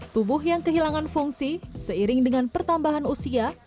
tubuh yang kehilangan fungsi seiring dengan pertambahan usia